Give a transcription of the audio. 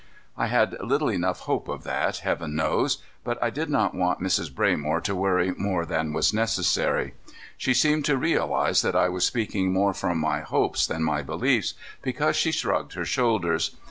I had little enough hope of that, Heaven knows, but I did not want Mrs. Braymore to worry more than was necessary. She seemed to realize that I was speaking more from my hopes than my beliefs, because she shrugged her shoulders.